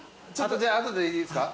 じゃあ後でいいですか？